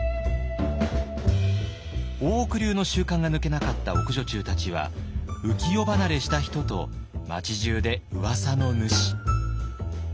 大奥流の習慣が抜けなかった奥女中たちは浮世離れした人と町じゅうでうわさの主。